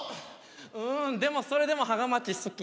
うんでもそれでも芳賀町好き。